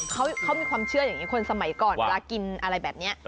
เขามีความเชื่อคนสมัยก่อนเขากินอะไรแบบนี้